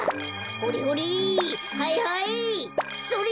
ほれほれ。